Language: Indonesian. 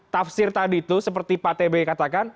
tafsir tadi itu seperti pak t b katakan